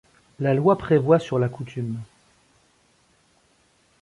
La loi prévoit sur la coutume.